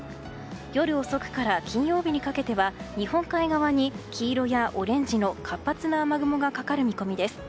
夜遅くから金曜日にかけては日本海側に黄色やオレンジの活発な雨雲がかかる見込みです。